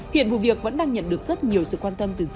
hiện vụ việc vẫn đang nhận được rất nhiều sự quan tâm